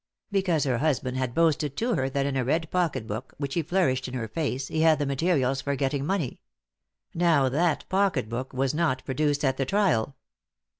"Because her husband had boasted to her that in a red pocket book which he flourished in her face he had the materials for getting money. Now, that pocket book was not produced at the trial."